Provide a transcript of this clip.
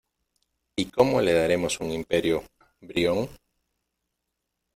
¿ y cómo le daremos un Imperio, Brión?